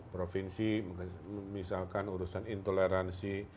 provinsi misalkan urusan intoleransi